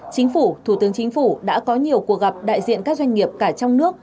chính phủ thủ tướng chính phủ đã có nhiều cuộc gặp đại diện các doanh nghiệp cả trong nước